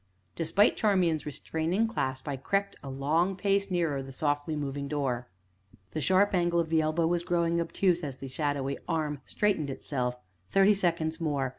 Despite Charmian's restraining clasp, I crept a long pace nearer the softly moving door. The sharp angle of the elbow was growing obtuse as the shadowy arm straightened itself. Thirty seconds more!